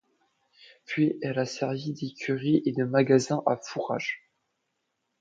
Puis elle a servi d'écurie et de magasin à fourrage.